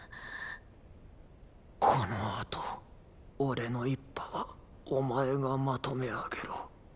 この後俺の一派はお前がまとめ上げろ。